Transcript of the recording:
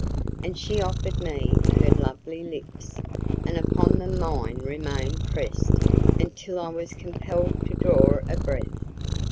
And she offered me her lovely lips, and upon them mine remained pressed until I was compelled to draw a breath.